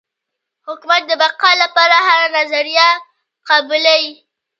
حکومت د بقا لپاره هره نظریه قبلوي.